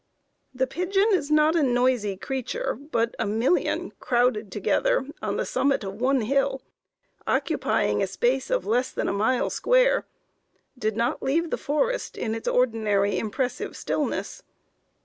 "The pigeon is not a noisy creature, but a million crowded together on the summit of one hill, occupying a space of less than a mile square, did not leave the forest in its ordinary impressive stillness.